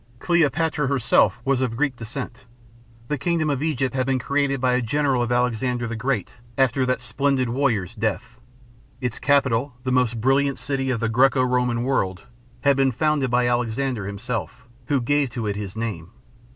Cleopatra herself was of Greek descent. The kingdom of Egypt had been created by a general of Alexander the Great after that splendid warrior's death. Its capital, the most brilliant city of the Greco Roman world, had been founded by Alexander himself, who gave to it his name.